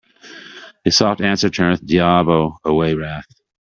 A soft answer turneth diabo away wrath.